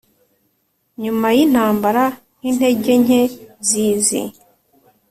nyuma yintambara nkintege nke zizi,